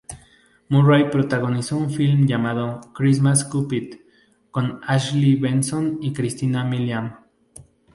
Murray protagonizó un film llamado "Christmas Cupid" con Ashley Benson y Christina Milian.